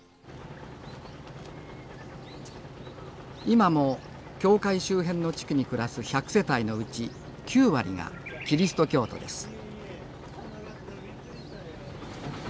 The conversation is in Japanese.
今も教会周辺の地区に暮らす１００世帯のうち９割がキリスト教徒です